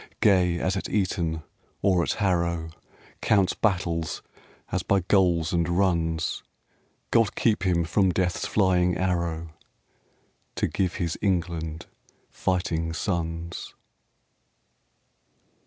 Gay as at Eton or at Harrow, Counts battles as by goals and runs : God keep him from Death's flying arrow To give his England fighting sons.